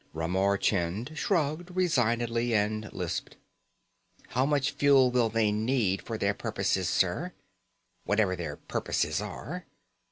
Ramar Chind shrugged resignedly and lisped: "How much fuel will they need for their purposes, sir, whatever their purposes are?"